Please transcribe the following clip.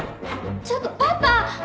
ちょっとパパ！